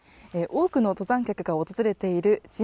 多くの登山客が訪れている陣